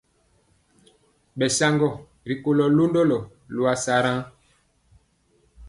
Bɛsaagɔ ri kolo londɔlo loasare.